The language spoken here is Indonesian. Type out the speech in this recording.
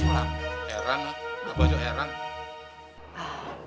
heran apa juga heran